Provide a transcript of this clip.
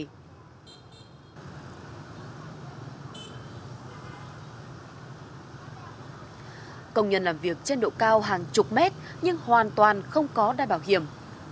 tháng một mươi ba năm hai nghìn một mươi bốn công nhân làm việc trên độ cao hàng chục mét nhưng hoàn toàn không có đai bảo hiểm